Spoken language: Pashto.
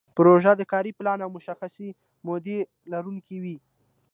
پروژه د کاري پلان او مشخصې مودې لرونکې وي.